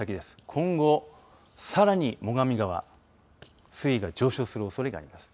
今後さらに最上川水位が上昇するおそれがあります。